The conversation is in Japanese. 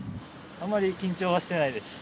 あんまり緊張はしてないです。